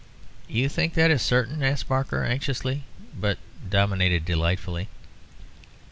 "You think that is certain?" said Barker, anxious, but dominated delightfully.